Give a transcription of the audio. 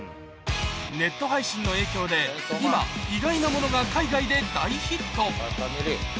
ネット配信の影響で、今、意外なものが海外で大ヒット。